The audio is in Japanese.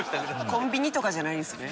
コンビニとかじゃないんですね。